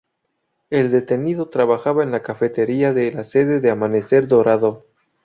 El detenido trabajaba en la cafetería de la sede de Amanecer Dorado.